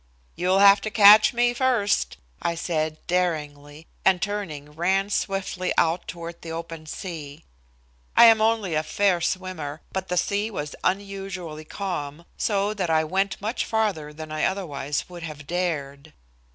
"You'll have to catch me first," I said, daringly, and turning, ran swiftly out toward the open sea. I am only a fair swimmer, but the sea was unusually calm, so that I went much farther than I otherwise would have dared.